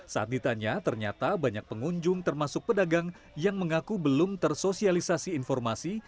saat ditanya ternyata banyak pengunjung termasuk pedagang yang mengaku belum tersosialisasi informasi